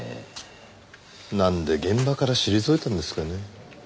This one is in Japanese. なんで現場から退いたんですかね。